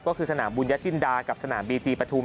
ก็คือสนามบุญญจินดากับสนามบีจีปฐุม